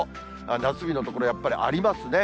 夏日の所、やっぱりありますね。